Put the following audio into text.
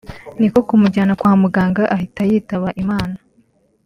niko kumujyana kwa muganga ahita yitaba Imana”